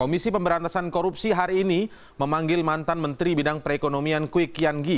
komisi pemberantasan korupsi hari ini memanggil mantan menteri bidang perekonomian kwi kian gi